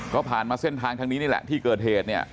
ก็ผ่านมาเส้นทางทางนี้นี่แหละที่เกิดเหตุเนี่ย